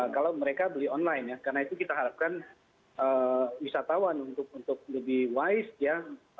kalau mereka beli online ya karena itu kita harapkan wisatawan untuk lebih wise ya